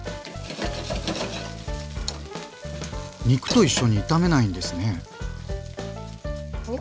肉と一緒に炒めないんですね。